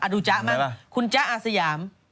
ดูจ๊ะมาคุณจ้ะอาสยาม